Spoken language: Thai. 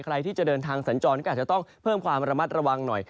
ใครที่จะเดินทางสัญจรก็อาจจะต้องเพิ่มความระมัดระวังหน่อย